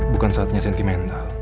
bukan saatnya sentimental